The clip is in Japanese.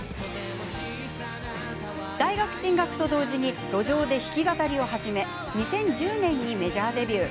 大学進学と同時に路上で弾き語りを始め２０１０年にメジャーデビュー。